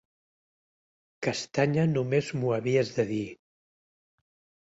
Castanya només m'ho havies de dir!